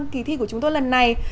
kỳ thi của chúng tôi lần này